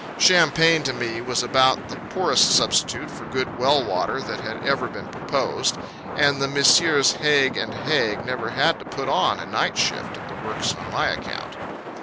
Champagne, to me, was about the poorest substitute for good well water that had ever been proposed; and the Messrs. Haig & Haig never had to put on a night shift at the works on my account.